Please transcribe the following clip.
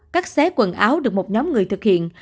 các xé quần áo được một nhóm người thực hiện